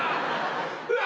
うわ！